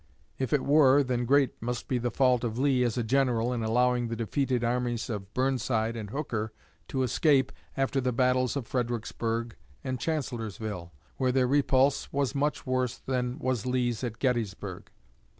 If it were, then great must be the fault of Lee as a general in allowing the defeated armies of Burnside and Hooker to "escape" after the battles of Fredericksburg and Chancellorsville, where their repulse was much worse than was Lee's at Gettysburg.